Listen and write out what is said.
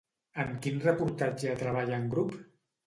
En quin reportatge treballa en grup?